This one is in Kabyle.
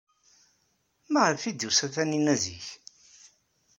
Maɣef ay d-tusa Taninna zik?